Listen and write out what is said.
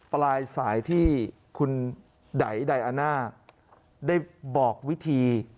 ปลายสายที่คุณไดอาน่าได้บอกวิธี